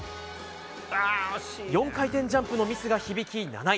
４回転ジャンプのミスが響き７位。